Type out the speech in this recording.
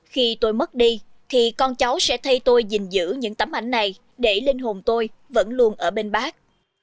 khi tôi mất đi thì con cháu sẽ thay tôi dình giữ những tấm ảnh này để linh hồn tôi vẫn luôn ở bên bác